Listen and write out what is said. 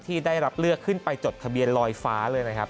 ที่ได้รับเลือกขึ้นไปจดทะเบียนลอยฟ้าเลยนะครับ